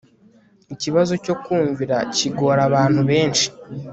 ikibazo cyo kumvira kigora abantu benshi